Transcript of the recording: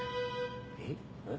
えっ？